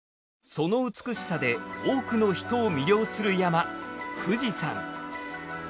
その美しさで多くの人を魅了する山富士山。